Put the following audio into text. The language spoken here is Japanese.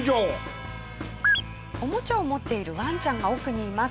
おもちゃを持っているワンちゃんが奥にいます。